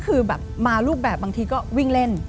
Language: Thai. คือแบบมารูปแบบบางทีก็วิ่งเล่น